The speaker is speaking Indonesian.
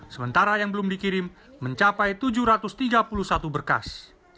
sementara yang belum dikirim mencapai tujuh ratus tiga puluh satu berkas